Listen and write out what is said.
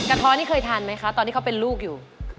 ท้อนี่เคยทานไหมคะตอนที่เขาเป็นลูกอยู่